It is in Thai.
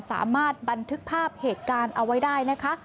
สามารถบันทึกภาพเหตุการณ์เอาไว้ได้นะคะ